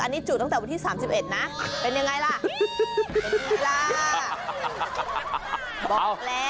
อันนี้จุดตั้งแต่วันที่๓๑นะเป็นแยงไหมล่ะ